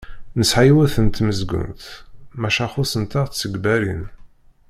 Nesɛa yiwet n tmezgunt, maca xuṣṣent-aɣ tsegbarin.